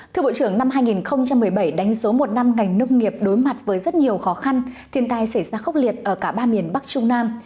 thưa bộ trưởng năm hai nghìn một mươi bảy đánh dấu một năm ngành nông nghiệp đối mặt với rất nhiều khó khăn thiên tai xảy ra khốc liệt ở cả ba miền bắc trung nam